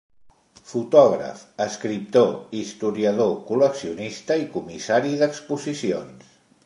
Fotògraf, escriptor, historiador, col·leccionista i comissari d'exposicions.